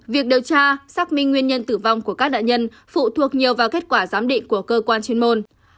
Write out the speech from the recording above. việc điều tra xác minh nguyên nhân tử vong của các nạn nhân phụ thuộc nhiều vào kết quả giám định của cơ quan chuyên môn